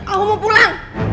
aku mau pulang